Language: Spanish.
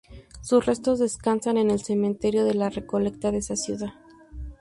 Sus restos descansan en el Cementerio de la Recoleta de esa ciudad.